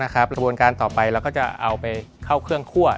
กระบวนการต่อไปเราก็จะเอาไปเข้าเครื่องคั่ว